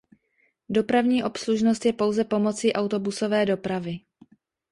Dopravní obslužnost je pouze pomocí autobusové dopravy.